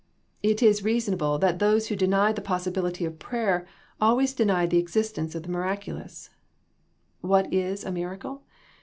It is 22 THE PEACTICE OF PRAYIJE reasonable that those who deny the possibility of prayer always deny the existence of the miracu lous. What is a miracle?